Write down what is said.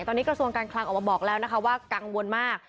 ตอนนี้กระทรวงการคลังออกมาบอกแล้วนะคะว่ากังวลมาก